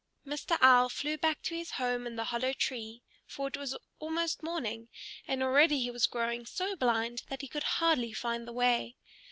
Mr. Owl flew back to his home in the hollow tree, for it was almost morning, and already he was growing so blind that he could hardly find the way.